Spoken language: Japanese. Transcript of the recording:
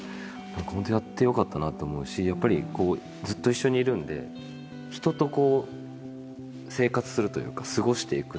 ホントやってよかったなって思うしやっぱりずっと一緒にいるんで人とこう生活するというか。